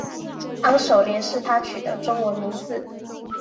安守廉是他取的中文名字。